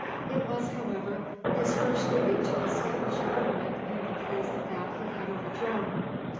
It was, however, his first duty to establish a government in the place of that he had overthrown.